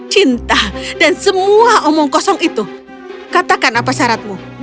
cinta dan semua omong kosong itu katakan apa syaratmu